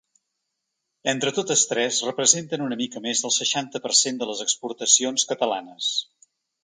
Entre totes tres, representen una mica més del seixanta per cent de les exportacions catalanes.